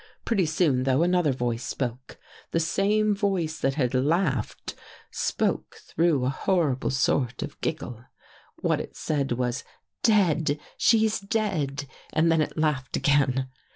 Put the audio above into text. Pretty soon, though, another voice spoke. The same voice that had laughed, spoke through a horrible sort of giggle. "What it said was — 'Dead! She's dead,' and then it laughed again.